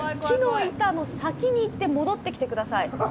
木の板の先に行って戻ってきてください。